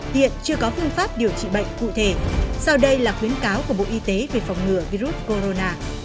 hiện chưa có phương pháp điều trị bệnh cụ thể sau đây là khuyến cáo của bộ y tế về phòng ngừa virus corona